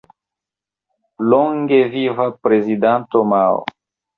Longe Viva Prezidanto Mao!